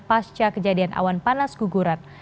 pasca kejadian awan panas guguran